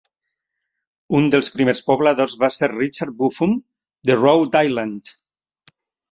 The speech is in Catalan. Un dels primers pobladors va ser Richard Buffum, de Rhode Island.